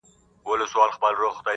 په ازل کي یې لیکلې یو له بله دښمني ده -